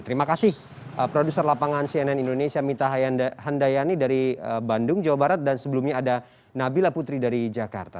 terima kasih produser lapangan cnn indonesia mita handayani dari bandung jawa barat dan sebelumnya ada nabila putri dari jakarta